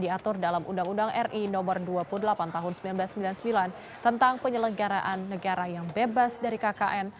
diatur dalam undang undang ri no dua puluh delapan tahun seribu sembilan ratus sembilan puluh sembilan tentang penyelenggaraan negara yang bebas dari kkn